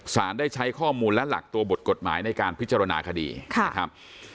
ได้ใช้ข้อมูลและหลักตัวบทกฎหมายในการพิจารณาคดีนะครับ